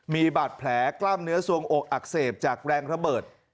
มีบาดแผลกล้ามเนื้อสวงอกอักเสบจากแรงระเบิด